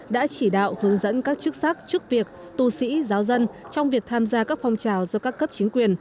đã chỉ đạo hướng dẫn các chức sắc chức việc tu sĩ giáo dân trong việc tham gia các phong trào do các cấp chính quyền